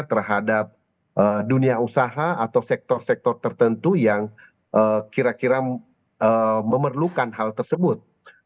terhadap dunia usaha atau sektor sektor tertentu yang kira kira memerlukan hal tersebut